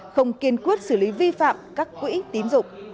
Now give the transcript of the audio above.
không kiên quyết xử lý vi phạm các quỹ tín dụng